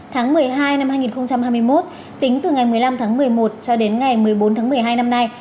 tháng một mươi hai năm hai nghìn hai mươi một tính từ ngày một mươi năm tháng một mươi một cho đến ngày một mươi bốn tháng một mươi hai năm nay